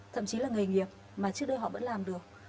thậm chí là nghề nghiệp mà trước đây họ vẫn làm được